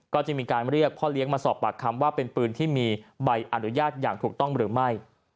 ก็จะมีการเรียกพ่อเลี้ยงมาสอบปากคำว่าเป็นปืนที่มีใบอนุญาตอย่างถูกต้องหรือไม่